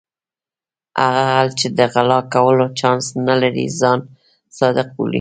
هغه غل چې د غلا کولو چانس نه لري ځان صادق بولي.